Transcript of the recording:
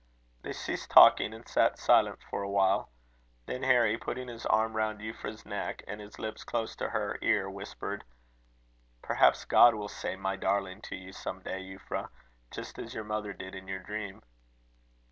They ceased talking; and sat silent for a while. Then Harry, putting his arms round Euphra's neck, and his lips close to her ear, whispered: "Perhaps God will say my darling to you some day, Euphra; just as your mother did in your dream."